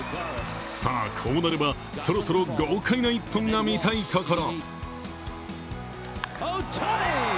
さあこうなれば、そろそろ豪快な一本が見たいところ。